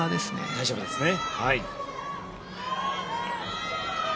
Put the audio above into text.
大丈夫ですね。